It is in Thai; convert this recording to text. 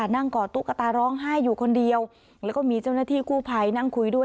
ก่อตุ๊กตาร้องไห้อยู่คนเดียวแล้วก็มีเจ้าหน้าที่กู้ภัยนั่งคุยด้วย